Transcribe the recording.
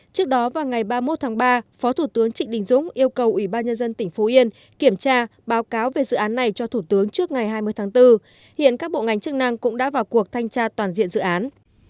trước đó vào ngày ba mươi một tháng ba phó thủ tướng trịnh đình dũng yêu cầu ủy ban nhân dân tỉnh phú yên kiểm tra báo cáo về dự án này cho thủ tướng trước ngày hai mươi tháng bốn hiện các bộ ngành chức năng cũng đã vào cuộc thanh tra toàn diện dự án